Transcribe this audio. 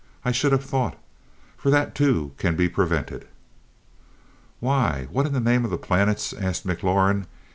"I should have thought. For that too can be prevented." "Why what in the name of the Planets?" asked McLaurin.